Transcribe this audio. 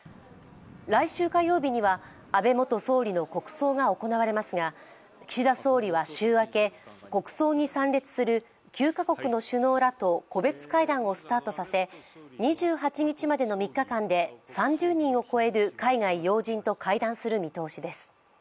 来週、火曜日には安倍元総理の国葬が行われますが岸田総理は週明け、国葬に参列する９か国の首脳らと個別会談をスタートさせ、２８日までの３日間で３０人を超える海外要人と会談する見通しです。